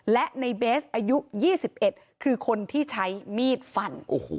และในเบสอายุ๒๑คือคนที่ใช้มีดฟัน